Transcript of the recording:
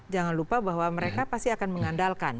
jangan lupa bahwa mereka pasti akan mengandalkan